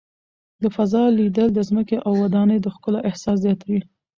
له فضا لیدل د ځمکې او ودانیو د ښکلا احساس زیاتوي.